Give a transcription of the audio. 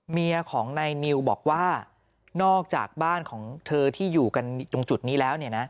เมียของนายนิวบอกว่านอกจากบ้านของเธอที่อยู่กันตรงจุดนี้แล้ว